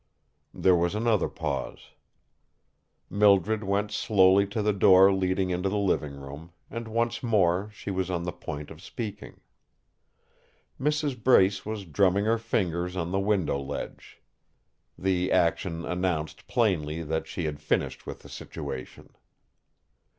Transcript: There was another pause. Mildred went slowly to the door leading into the living room, and once more she was on the point of speaking. Mrs. Brace was drumming her fingers on the window ledge. The action announced plainly that she had finished with the situation.